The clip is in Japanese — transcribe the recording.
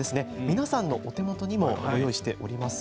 皆さんのお手元にも用意してあります。